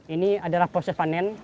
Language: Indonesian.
ini adalah proses panen